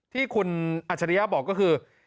ที่คุณอัจฉริยะบอกก็คือ